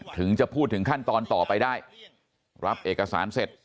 ถึงจะพูดถึงขั้นตอนต่อไปได้รับเอกสารเสร็จ